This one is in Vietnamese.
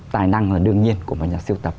tài năng là đương nhiên của nhà siêu tập